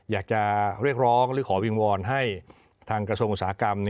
อยากจะเรียกร้องหรือขอวิงวอนให้ทางกระทรวงอุตสาหกรรม